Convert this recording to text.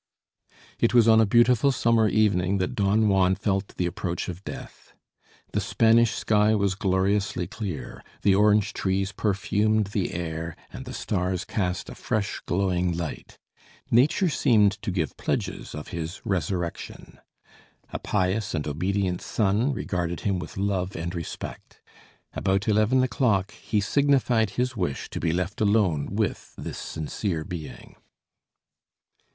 It was on a beautiful summer evening that Don Juan felt the approach of death. The Spanish sky was gloriously clear, the orange trees perfumed the air and the stars cast a fresh glowing light. Nature seemed to give pledges of his resurrection. A pious and obedient son regarded him with love and respect. About eleven o'clock he signified his wish to be left alone with this sincere being.